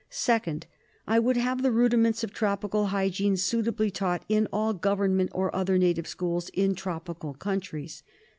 Second: I would have the rudiments of tropical hygiene suitably taught in all government or other native schools in tropical countries.